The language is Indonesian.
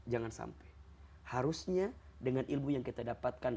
jangan sampai harusnya dengan ilmu yang kita dapatkan